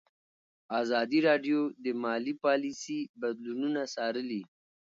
ازادي راډیو د مالي پالیسي بدلونونه څارلي.